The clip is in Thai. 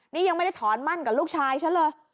นี่ยังไม่ได้ถอนมั่นกับลูกชายฉันเลย